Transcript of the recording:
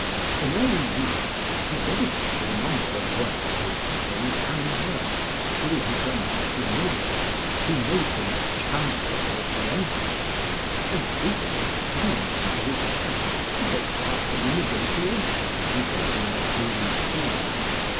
In early youth he dedicated a number of works in prose and verse to the Emperor Maximilian, who made him Chancellor of the Empire, and frequently summoned him to his camp to take part in the negotiations regarding the Holy See.